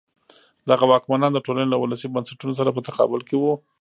دغه واکمنان د ټولنې له ولسي بنسټونو سره په تقابل کې وو.